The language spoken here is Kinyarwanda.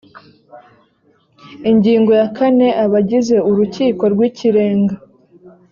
ingingo ya kane abagize urukiko rw ikirenga